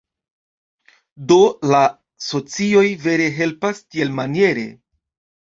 Do la socioj vere helpas tielmaniere.